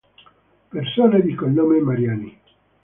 Persone di cognome Mariani